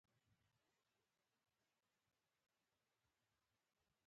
په نړۍ کې ټول پرمختګونه د انسان د فکر محصول دی